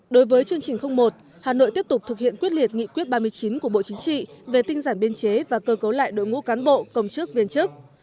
đối với chương trình một hà nội tiếp tục thực hiện quyết liệt nghị quyết ba mươi chín của bộ chính trị về tinh giản biên chế và cơ cấu lại đội ngũ cán bộ công chức viên chức